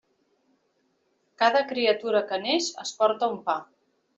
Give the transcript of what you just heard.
Cada criatura que neix es porta un pa.